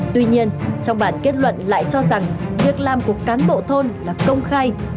tuy nhiên trong bản kết luận lại cho rằng việc làm của cán bộ thôn là công khai